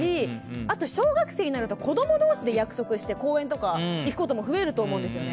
あと、小学生になると子供同士で約束して公園に行くことも増えると思うんですよね。